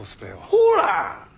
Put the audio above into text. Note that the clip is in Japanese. ほら！